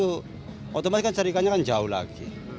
pulau seribu otomatis kan carikannya kan jauh lagi